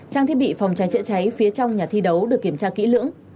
trang thiết bị phòng cháy chữa cháy phía trong nhà thi đấu được kiểm tra kỹ lưỡng